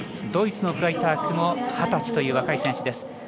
ドイツのフライタークも二十歳という若い選手。